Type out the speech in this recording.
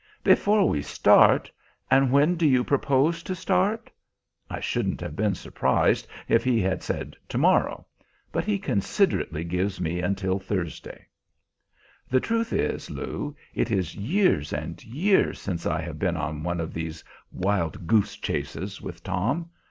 "Before we start! And when do you propose to start?" I shouldn't have been surprised if he had said "to morrow," but he considerately gives me until Thursday. The truth is, Lou, it is years and years since I have been on one of these wild goose chases with Tom.